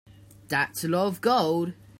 That's a lot of gold.